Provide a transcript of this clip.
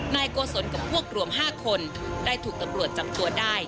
นายโกศลกับพวกรวม๕คนได้ถูกตำรวจจับตัวได้